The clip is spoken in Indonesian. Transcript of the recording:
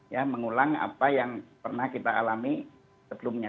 ya mengulang apa yang pernah kita alami sebelumnya